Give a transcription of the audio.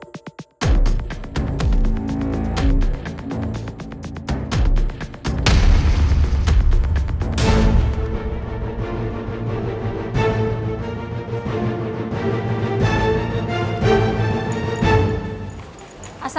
aku mau ke rumah